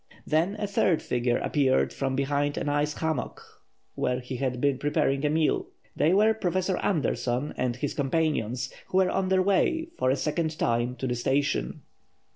Then a third figure appeared from behind an ice hummock where he had been preparing a meal. They were Professor Andersson and his companions, who were on their way, for the second time, to the station.